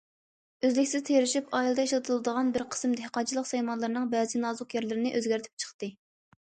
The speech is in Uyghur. ئۈزلۈكسىز تىرىشىپ، ئائىلىدە ئىشلىتىلىدىغان بىر قىسىم دېھقانچىلىق سايمانلىرىنىڭ بەزى نازۇك يەرلىرىنى ئۆزگەرتىپ چىقتى.